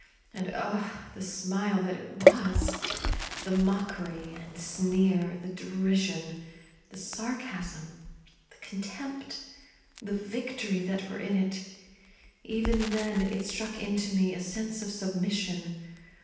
And — 0, the smile that it was !— the mockery and sneer, the derision, the sarcasm, the contempt, the victory that were in it ! even then it struck into me a sense of submission.